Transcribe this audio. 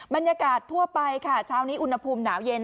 บรรยากาศทั่วไปค่ะเช้านี้อุณหภูมิหนาวเย็น